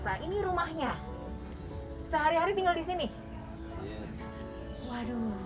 waduh ya allah gak bayang ya